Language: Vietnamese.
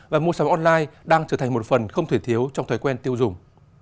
và mua sắm online đang trở thành một phần không thể thiếu trong thói quen tiêu dùng